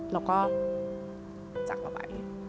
แล้วก็จักรไป